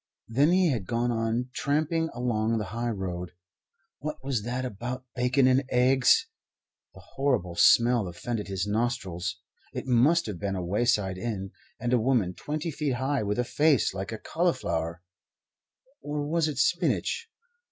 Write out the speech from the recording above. Then he had gone on tramping along the high road. What was that about bacon and eggs? The horrible smell offended his nostrils. It must have been a wayside inn; and a woman twenty feet high with a face like a cauliflower or was it spinach?